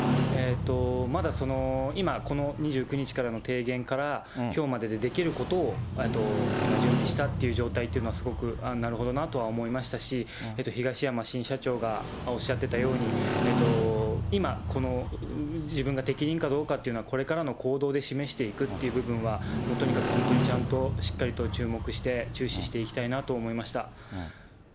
まだその今、この２９日からの提言からきょうまででできることを今、準備した状態っていうのは、すごくなるほどなとは思いましたし、東山新社長がおっしゃっていたように、今、この自分が適任かどうかというのは、これからの行動で示していくっていう部分は、とにかく本当にちゃんとしっかりと注目して、注視していきたいなと思いました。